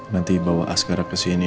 nanti bawa asgara kesini